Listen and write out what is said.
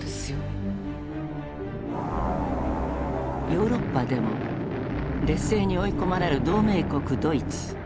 ヨーロッパでも劣勢に追い込まれる同盟国ドイツ。